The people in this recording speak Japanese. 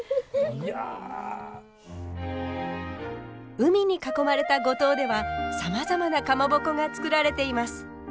海に囲まれた五島ではさまざまなかまぼこが作られています。